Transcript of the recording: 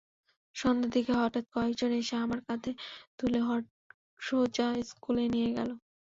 সন্ধ্যার দিকে হঠাৎ কয়েকজন এসে আমাকে কাঁধে তুলে সোজা স্কুলে নিয়ে গেল।